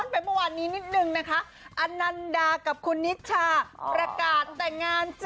ไปเมื่อวานนี้นิดนึงนะคะอนันดากับคุณนิชชาประกาศแต่งงานจ้ะ